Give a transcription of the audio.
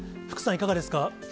福さんいかがですか。